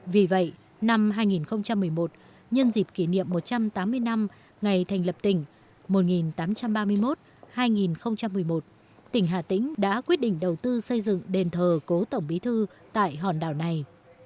vì vậy năm hai nghìn một mươi một nhân dịp kỷ niệm một trăm tám mươi năm ngày thành lập tỉnh một nghìn tám trăm ba mươi một hai nghìn một mươi một tỉnh hà tĩnh đã quyết định đầu tư xây dựng đền thờ cố tổng bí thư tại hòn đảo này